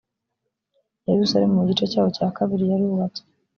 yerusalemu mu gice cyaho cya kabiri yarubatswe